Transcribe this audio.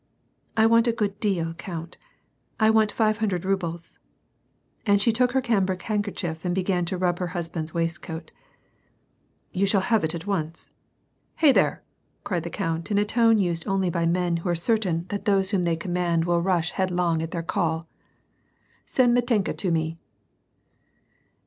"I want a good deal, count; I want five hundred rubles." And she took her cambric handkerchief and began to rub her husband's waistcoat. " You shall have it at once. Hey, there !" cried the count, in a tone used only by men who are certain that those whom • Graphinyushka, VOL. 1.— 5. 66 WAR AND PEACE. they command will rush headlong at their call. "SendMit enka to me